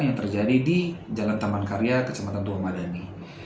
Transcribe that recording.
yang terjadi di jalan taman karya kecamatan dua madani